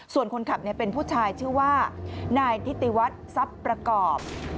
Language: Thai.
ส่วนคนขับเป็นผู้ชายชื่อว่านายทิติวัฒน์ทรัพย์ประกอบ